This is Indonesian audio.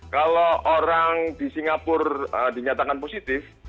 kalau orang di singapura dinyatakan positif